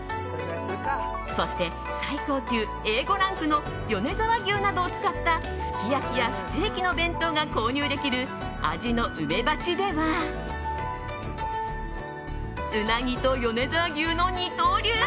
そして、最高級Ａ５ランクの米沢牛などを使ったすき焼きやステーキなどのお弁当を購入できる味の梅ばちではうなぎと米沢牛の二刀流